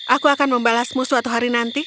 aku akan membalasmu suatu hari nanti